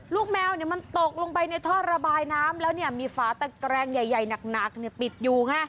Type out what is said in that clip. ลูกแมวมันตกลงไปในท่อระบายน้ำแล้วมีฝาตะแกรงใหญ่หนักปิดอยู่ไง